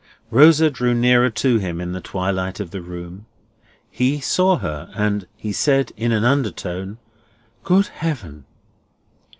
Rosa drew nearer to him in the twilight of the room. He saw her, and he said, in an undertone: "Good Heaven!"